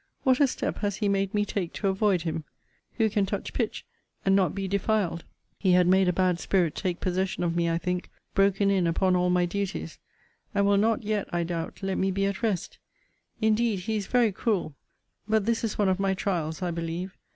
] What a step has he made me take to avoid him! Who can touch pitch, and not be defiled? He had made a bad spirit take possession of me, I think broken in upon all my duties and will not yet, I doubt, let me be at rest. Indeed he is very cruel but this is one of my trials, I believe.